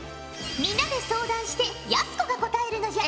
皆で相談してやす子が答えるのじゃ。